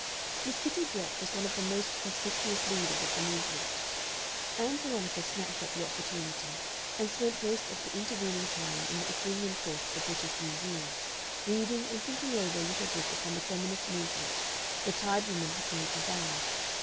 Miss Kitty Brett was one of the most conspicuous leaders of the movement. Ann Veronica snatched at the opportunity, and spent most of the intervening time in the Assyrian Court of the British Museum, reading and thinking over a little book upon the feminist movement the tired woman had made her buy.